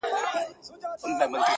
سردارانو يو د بل وهل سرونه-